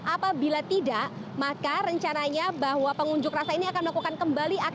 apabila tidak maka rencananya bahwa pengunjuk rasa ini akan melakukan kembali aksi